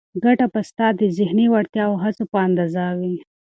ګټه به ستا د ذهني وړتیا او هڅو په اندازه وي.